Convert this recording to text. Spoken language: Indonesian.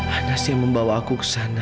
anas yang membawa aku ke sana